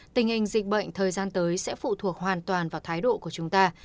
tình hình dịch bệnh thời gian tới sẽ phụ thuộc hoàn toàn vào thái độ của chúng ta